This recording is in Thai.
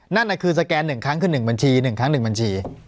นั่นคือสแกน๑ครั้งคือ๑บัญชี๑ครั้ง๑บัญชี